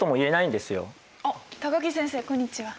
あっ高木先生こんにちは。